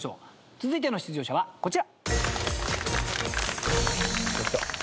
続いての出場者はこちら。